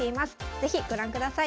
是非ご覧ください。